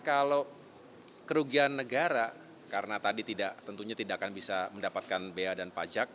kalau kerugian negara karena tadi tentunya tidak akan bisa mendapatkan bea dan pajak